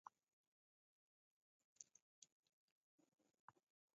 Nabuka Maghegho.